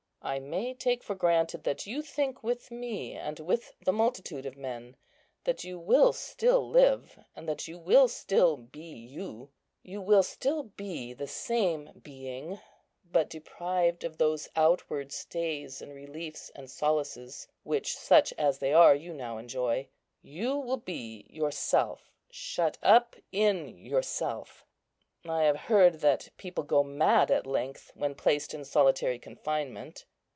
I may take for granted that you think with me, and with the multitude of men, that you will still live, that you will still be you. You will still be the same being, but deprived of those outward stays and reliefs and solaces, which, such as they are, you now enjoy. You will be yourself, shut up in yourself. I have heard that people go mad at length when placed in solitary confinement.